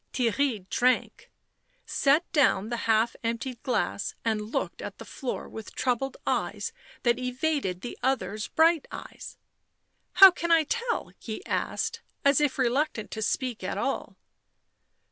Theirry drank, set down the half emptied glass, and looked at the floor with troubled eyes that evaded the other's bright eyes. " How can I tell ?" he asked, as if reluctant to speak at all.